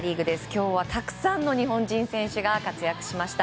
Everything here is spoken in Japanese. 今日は、たくさんの日本人選手が活躍しました。